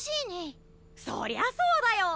そりゃそうだよ。